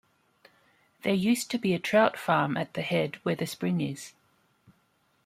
There used to be a trout farm at the head where the spring is.